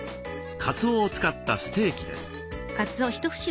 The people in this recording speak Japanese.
かつおを使ったステーキです。